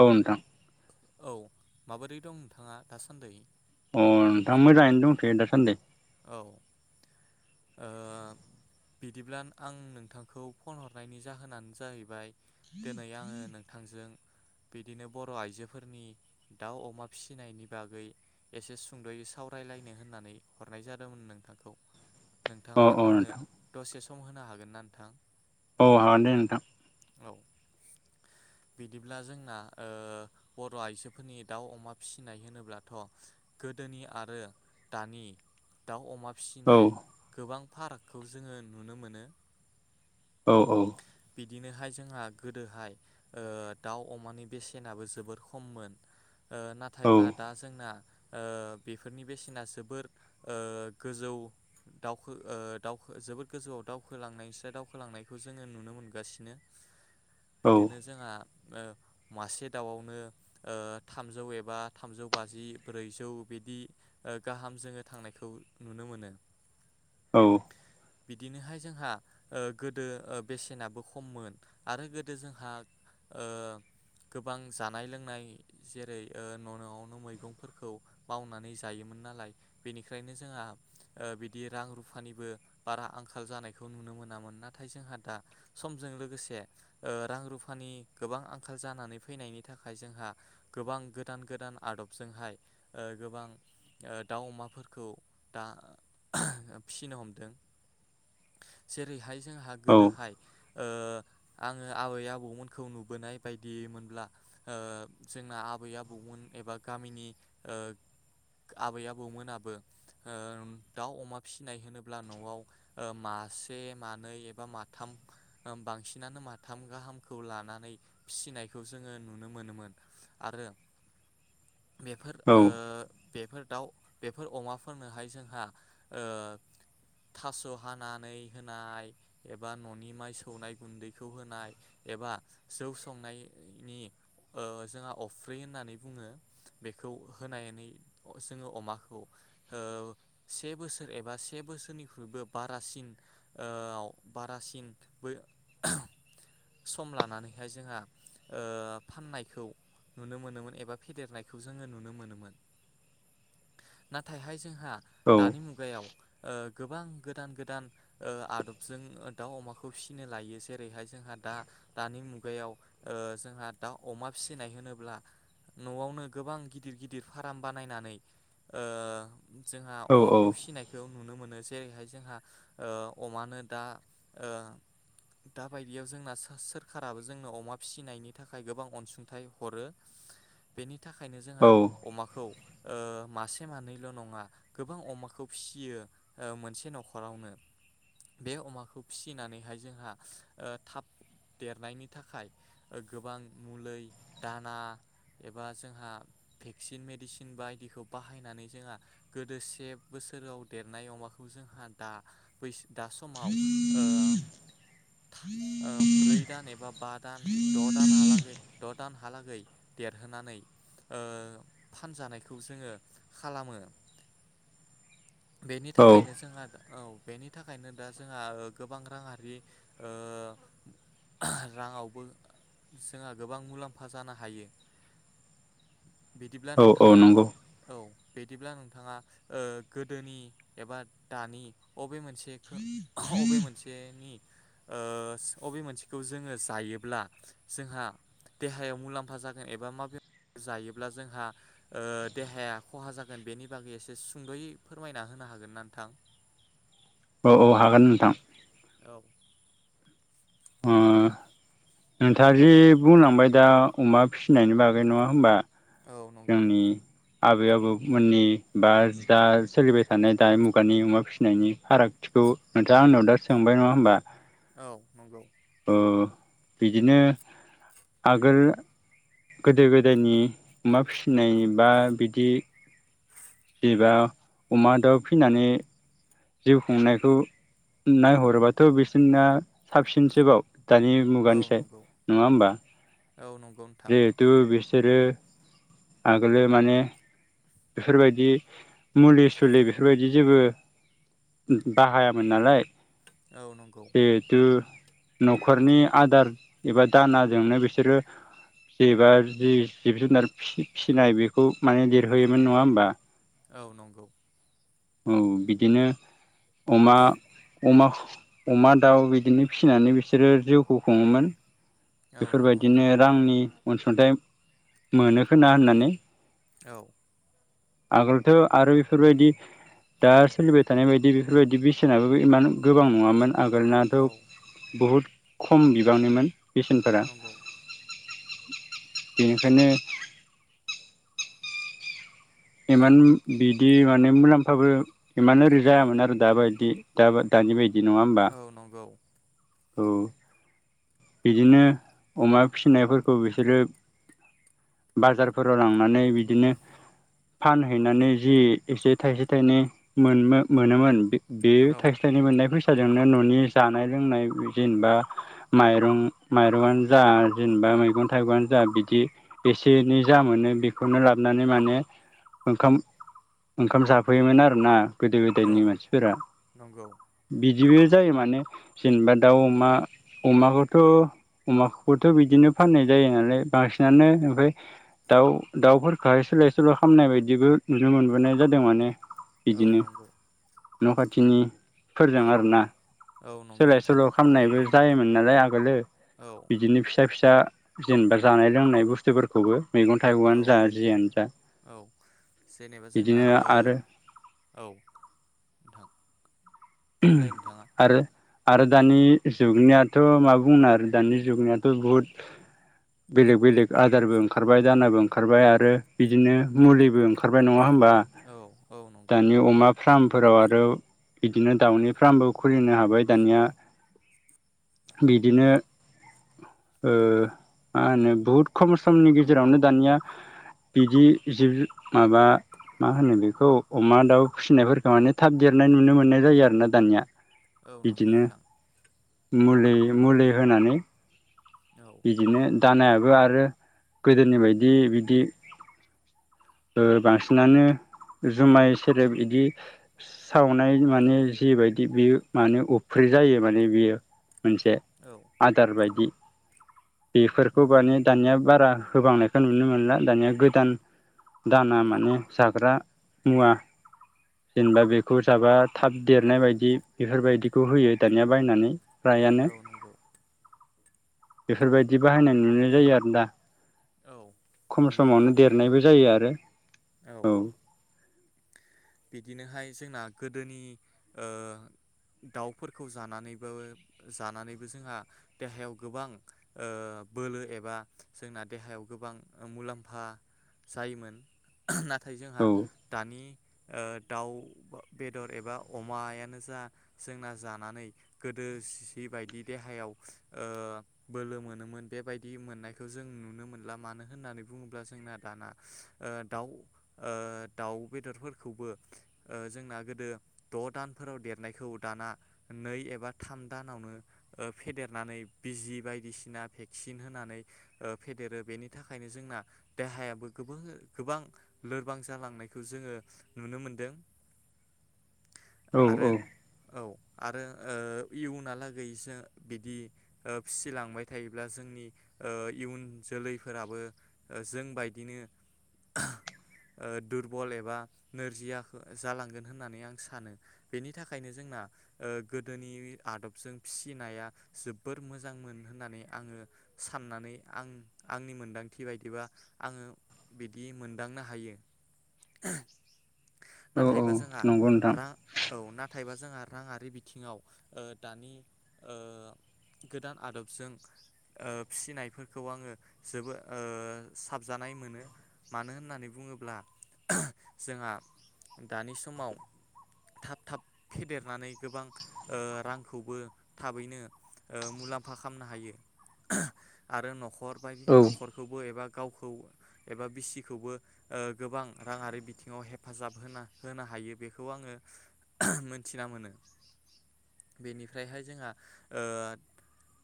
औ नोंथां। औ माबोरै दं नोंथाङा दासान्दै? अ नोंथां मोजाङैनो दंथैयो दासान्दि। औ ओह बिदिब्ला आं नोंथांखौ फन हरनायनि जाहोनानो जाहैबाय। दिनै आङो नोंथांजों बिदिनो बर' आइजोफोरनि दाउ अमा फिसिनायनि बागै एसे सुंद'यै सावरायलायनो होननानै हरनाय जादोंमोन नोंथांखौ अ नोंथाङा अ आंनो नोंथां दसे सम सम होनो हागोन ना नोंथां औ हागोनदे नोंथां औ बिदिब्ला जोंना ओह बर' आइजोफोरनि दाउ अमा फिसिनाय होनोब्लाथ' गोदोनि आरो दानि दाउ अमा औ फिसिनाय गोबां फारागखौ जोङो नुनो मोनो औ औ बिदिनोहाय जोंहा गोदोहाय ओह दाउ अमानि बेसेनाबो जोबोर खममोन औ नाथायब्ला दा जोंना बेफोरनि बेसेना जोबोद गोजौ दावखो ओह दावखो जोबोद गोजौआव दावखोलांनायस्राय दावखोलांनायखौ जोङो नुनो मोनो नुगासिनो औ बिदिनो जोंहा ओ मासे दाउआवनो ओ थामजौ एबा थामजौ बाजि ब्रैजौ बिदि ओ गाहाम जोङो थांनायखौ नुनो मोनो औ बिदिनोहाय जोंहा गोदो बेसेनाबो खममोन आरो गोदो जोंहा ओ गोबां जानाय लोंनाय जेरै ओ न' न'आवनो मैगंफोरखौ मावनानै जायोमोन नालाय बेनिखायनो जोंहा बिदि रां रुफानिबो बारा आंखाल जानायखौ नुनो मोनामोन नाथाय जोंहा दा समजों लोगोसे ओ रां रुफानि गोबां आंखाल जानानै फैनायनि थाखाय जोंहा गोबां गोदान गोदान आदबजोंहाय ओ गोबां ओ दाउ अमाफोरखौ दा फिसिनो हमदों जेरै बेहाय जोंहा औ गोदोहाय ओ आङो आबै आबौमोनखौ नुबोनाय बायदिमोनब्ला ओ जोंना आबै आबौमोन एबा गामिनि ओ आबै आबौमोनाबो ओ दाउ अमा फिसिनाय होनोब्ला न'आव मासे मानै एबा माथाम बांसिनानो माथाम गाहामखौ लानानै फिसिनायखौ जोङो नुनो मोनोमोन आरो बेफोर ओ बेफोर दाउ बेफोर अमाफोरनोहाय जोंहा ओ थास' हानानै होनाय एबा न'नि माइ सौनाय गुन्दैखौ होनाय एबा जौ संनायनि ओ जोंहा अफ्रि होननानै बुङो बेखौ होनानै जोङो अमाखौ ओ से बोसोर एबा से बोसोरनिख्रुइबो बारासिन ओ बारासिन बै सम लानानैहाय जोंहा ओ फाननायखौ नुनो मोनोमोन एबा फेदेरनायखौ जोङो नुनो मोनोमोन नाथायहाय जों हा दानि मुगायाव गोबां गोदान गोदान ओ आदबजों दाउ अमाखौ खौ फिसिनो लायो जेरैहाय जोंहा दा दानि मुगायाव ओ जोंहा दाउ अमा फिसिनाय होनोब्ला न'आवनो गोबां गिदिर गिदिर फार्म बानायनानै ओ जोंहा अमाखौ फिसिनायखौ नुनो मोनो जेरैहाय जोंहा ओ अमानो दा ओ दा बायदियाव जोंना सोरखाराबो जोंनो अमा फिसिनायनि थाखाय गोबां अनसुंथाइ हरो बेनि थाखायनो जोंहा अमाखौ ओ मासे मानैल' नङा गोबां अमाखौ फिसियो ओ मोनसे न'खरावनो बे अमाखौ फिसिनानैहाय जोंहा ओ थाब देरनायनि थाखाय गोबां मुलि दाना एबा जोंहा भेक्सिन मेडिसिन बायदिखौ बाहायनानै जोंहा गोदो से बोसोराव देरनाय अमाखौ जोंहा दा दा समाव ओ ओ ब्रै दान एबा बा दान द' दानहालागै द' दानहालागै देरहोनानै ओ फानजानायखौ जोङो खालामो बेनि औ थाखायनो जोंहा औ बेनि थाखायनो दा जोंहा ओ गोबां रांङा ओ राङावबो जोंहा गोबां मुलाम्फा जानो हायो बिदिब्ला औ औ नोंथाङा नंगौ [unintelligible] औ बिदिब्ला नोंथाङा ओ गोदोनि एबा दानि अबे मोनसेखौ अबे मोनसे नि ओ अबे मोनसेखौ जोङो जायोब्ला जोंहा देहायाव मुलाम्फा जागोन एबा मा बेमार जायोब्ला जोंहा ओ देहाया खहा जागोन बेनि बागै एसे सुंद'यै फोरमायना होनो हागोन ना नोंथां औ औ हागोन नोंथां औ ओम नोंथां जे बुंलांबाय दा अमा फिसिनायनि बागै नङा होमबा औ नंगौ जोंनि आबै आबौमोननि बा जा सोलिबाय थानाय दा मुगानि अमा फिसिनायनि फारागथिखौ नोंथाङा आंनाव दा सोंबाय नङा होमबा औ नंगौ ओ बिदिनो आगोल गोदो गोदायनि अमा फिसिनाय बा बिदि एबा अमा दाउ फिनानै जिउ खुंनायखौ नायहरोबाथ' बिसोरना साबसिनसोबाव दानि औ मुगानिसाय नंगौ नङा होमबा औ नंगौ नोंथां जिहेथु बिसोरो आगोलो माने बेफोरबायदि मुलि सुलि बेफोरबायदि जेबो बाहायामोन नालाय औ नंगौ जेहुथु न'खरनि आदार एबा दानाजोंनो बिसोरो जेबा जि जिब जुनार फि-फिसिनाय बेखौ माने होयोन नङा होमबा औ नंगौ औ बिदिनो अमा अमाख अमा दाउ बिदिनो फिसिनानै बिसोरो जिउखौ खुङोमोन औ नंगौ नोंथां बेफोरबायदिनो रांनि अनसुंथाइ मोनोखोना होननानै औ आगोलथ' आरो बेफोरबायदि दा सोलिबाय थानाय बायदि बेफोरबायदि बेसेनाबो इमान गोबां नङामोन। आगोलनाथ' औ बहुद खम बिबांनिमोन बेसेनफोरा नंगौ बेनिखायनो इमान बिदि माने मुलाम्फाबो इमान ओरै जायामोन आरो दाबायदि द दानि बायदि दि नङा होमबा। औ नंगौ औ। बिदिनो अमा फिनायफोरखौ बिसोरो बाजारफोराव लांनानै बिदिनो फानहैनानै जि एसे थाइसे थाइनै मोन मोनोमोन। बेयो औ थाइसे थाइनै मोननाय फैस साजोंनो न'नि जानाय लोंनाय जेनेबा माइरं माइरंनो जा जेनेबा मैगं थाइगंनो जा बिदि एसे एनै जा मोनो बेखौनो लाबोनानै माने ओंखाम ओंखाम जाफैयोमोन आरोना। गोदो गोदायनि औ मानसिफोरा नंगौ बिदिबो जायो माने जेनेबा दाउ अमा अमाखौथ' अमाखौबोथ' बिदिनो फाननाय जायो नालाय बांसिनानो ओमफ्राय दाउ दाउफोरखौहाय सोलाय सोल' खालामामनाय बायदिबो नुनो मोनबोनाय जादों माने। औ बिदिनो नंगौ। न' खाथिनि औ फोरजों आरोना औ नंगौ सोलाय नोंथां सोल' थारैनो खालामनायबो नालाय आगोलो औ बिदिनो फिसा फिसा दा जेनेबा जानाय लोंनाय बुस्थुफोरखौबो मैगं औ थाइगंआनो जा जियानो जा औ जेनेबा जोंना बिदिनो आरो औ नोंथां। बुंलाय नोंथाङा आरो आरो दानि जुगनियाथ' मा बुंनो आरो दानि जुगनियाथ' बुहुद बेलेग बेलेग आदारबो ओंखारबाय दानाबो ओंखारबाय आरो बिदिनो मुलिबो ओंखारबाय नङा नङा होमबा औ औ नंगौ दानि अमा फार्मफोराव आरो दि दिनो दाउनि फार्मबो खुलिनो हाबाय दानिया बिदिनो ओ मा होनो बुहुद खम समनि गेजेरावनो दानिया बिदि जिब माबा मा होनो बेखौ अमा दाउ फिसिनायफोरखौ माने थाब देरनाय नुनो मोननाय जायो आरो ना दानिया। औ नंगौ बिदिनो नोंथां। मुलि मुलि होनानै औ बिदिनो दानायाबो आरो गोदोनि बायदि बिदि ओ बांसिनानो जुमाय सेरेब बिदि सावनाय माने जिबायदि बेयो माने उफ्रि जायो माने बियो। मोनसे औ आदार बायदि बेफोरखौ नंगौ माने दानिया बारा होबांनायखौ नुनो मोनला दानिया गोदान दाना माने जाग्रा मुवा जेनेबा बेखौ जाबा थाब देरनाय बायदि बेफोरबायदिखौ होयो दानिया बायनानै। फ्रायानो औ नंगौ। बेफोरबायदि बाहायनाय नुनाय जायो आरो दा। औ खम नंगौ समावनो नोंथां थारैनो देरनायबो जायो आरो औ बिदिनोहाय जोंना गोदोनि ओ दाउफोरखौ जानानैबो जानानैबो जोंहा देहायाव गोबां ओ बोलो एबा जोंना देहायाव गोबां मुलाम्फा जायोमोन। नाथाय जोंहा औ दानि ओ दाउ बेदर एबा अमायानो जा जोंना जानानै गोदो सि बायदि देहायाव ओ बोलो मोनोमोन बेबायदि मोननायखौ जों नुनो मोला मानो होननानै बुङोब्ला जोंना दाना ओ दाउ ओ दाउ बेदरफोरखौबो ओ जोंना गोदो द' दानफोराव देरनायखौ दाना नै एबा थाम दानावनो ओ फेदेरनानै बिजि बायदिसिना भेक्सिन होनानै ओ फेदेरो। बेनि थाखायनो जोंना देहायाबो गोबां लोरबां जालांनायखौ जोङो नुनो मोनदों। औ आरो औ औ। आरो ओ इयुनलागैसो बिदि ओ फिसिलांबाय थायोब्ला जोंनि ओ इयुन जोलै फोराबो जोंबायदिनो ओ दुरबल एबा नोरजिया जालांगोन होननानै आं सानो बेनि थाखायनो जोंना ओ गोदोनि आदबजों फिसिनाया जोबोर मोजां मोन होननानै आङो साननानै आं आंनि मोनदांथि बायदिबा आङो बिदि मोनदांनो हायो। औ औ नाथायबा जोंहा नंगौ नोंथां रां औ नाथायबा जोंहा राङारि बिथिङाव ओ दानि ओ गोदान आदबजों ओ फिसिनायफोरखौ आङो जोबोद ओ साबजानाय मोनो मानो होननानै बुङोब्ला [unintelligible] जोंहा दानि समाव थाब थाब फेदेरनानै गोबां ओ रांखौबो थाबैनो ओ मुलाम्फा खालामनो हायो [unintelligible] आरो न'खर बाय औ न'खरखौबो एबा गावखौ एबा बिसिखौबो ओ गोबां राङारि बिथिङाव हेफाजाब होना होनो हायो बेखौ आङो [unintelligible] मोनथिना मोनो। बेनिफ्रायहाय जोंहा ओ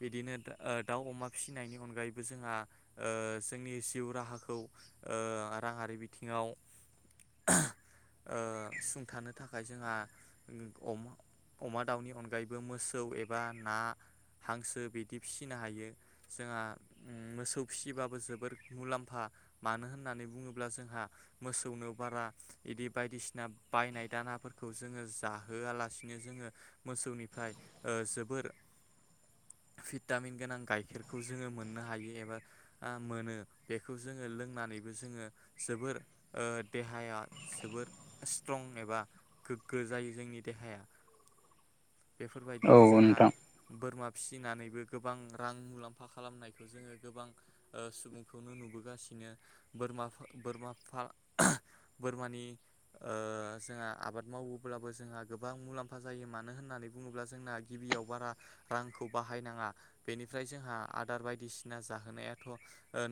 बिदिनो ओ दाउ अमा फिसिनायनि अनगायैबो जोङा ओ जोंनि जिउ राहाखौ ओ रांङारि बिथिङाव [unintelligible] ओ सुंथानो थाखाय जोंहा अमा अमा दाउनि अनगायैबो मोसौ एबा ना हांसो बिदि फिसिनो हायो जोंहा उम मोसौ फिसिबाबो जोबोर मुलाम्फा मानो होननानै बुङोब्ला जोंहा मोसौनो बारा इदि बायदिसिना बायनाय दानाफोरखौ जोङो जाहोआलासिनो जोङो मोसौनिफ्राय ओ जोबोर भिटामिन गोनां गाइखेरखौ जोङो मोननो हायो एबा ओ मोनो बेखौ जोङो लोंनानैबो जोङो जोबोर ओ देहाया जोबोर स्ट्रं एबा गोग्गो जायो जोंनि देहाया। औ बेफोरबायदिनो जोंहा नोंथां बोरमा फिसिनानैबो गोबां रां मुलाम्फा खालामनायखौ जोङो गोबां ओ सुबुंखौनो नुबोगासिनो बोरमा बोरमा फा [unintelligible] बोरमानि ओ जोंहा आबाद मावोब्लाबो जोंहा गोबां मुलाम्फा जायो मानो होननानै बुङोब्ला जोंना गिबियाव बारा रांखौ बाहायनाङा बेनिफ्राय जोंहा आदार बायदिसिना जाह होनायाथ' ओ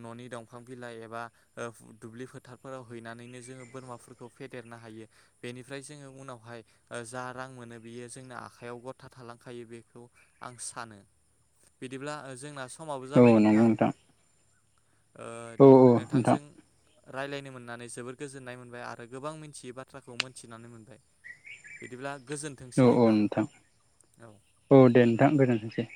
न'नि दंफां बिलाइ एबा ओ दुब्लि फोथारफोराव हैनानैनो जोङो बोरमाफोरखौ फेदेरनो हायो बेनिफ्राय जोङो उनावहाय ओ जा रां मोनो बियो जोंना आखायाव गथा थालांखायो बेखौ आं सानो बिदिब्ला ओ जोंना समाबो औ जाबाय नंगौ नोंथां। ओ औ औ नोंथां नोंथांजों रायलायनो मोननानै जोबोर गोजोननाय मोनबाय आरो गोबां मिनथियै बाथ्राखौ मोनथिनानै मोनबाय बिदिब्ला औ औ नोंथां औ दे नोंथां गोजोनथोंसै।